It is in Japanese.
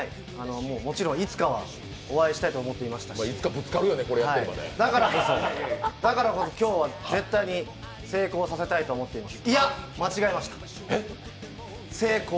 もちろんいつかはお会いしたいと思っていましたしだからこそ今日は絶対に成功させたいと思っています。